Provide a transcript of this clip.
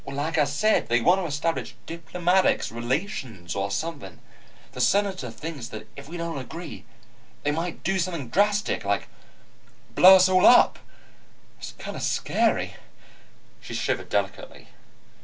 Like I say, they want to establish diplomatic relations or something. The Senator thinks that if we don't agree, they might do something drastic, like blow us all up. It's kind of scary." She shivered delicately.